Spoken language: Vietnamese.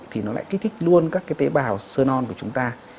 thì nó lại kích thích luôn các cái tế bào sơ non của chúng ta